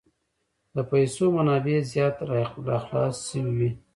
د پیسو منابع زیات را خلاص شوي وې.